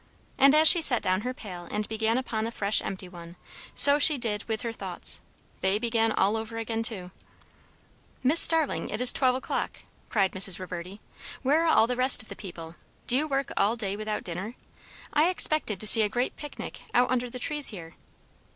And as she set down her pail and began upon a fresh empty one, so she did with her thoughts; they began all over again too. "Miss Starling, it is twelve o'clock," cried Mrs. Reverdy; "where are all the rest of the people? Do you work all day without dinner? I expected to see a great picnic out under the trees here."